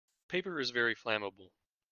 Paper is very flammable.